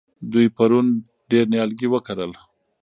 دوی پرون ډېر نیالګي وکرل.